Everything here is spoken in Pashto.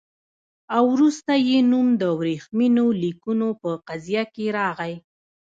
او وروسته یې نوم د ورېښمینو لیکونو په قضیه کې راغی.